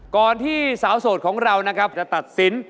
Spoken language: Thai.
ที่สาวโสดของเรานะครับจะตัดสิน